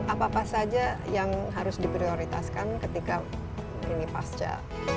apa apa saja yang harus diprioritaskan ketika ini pasca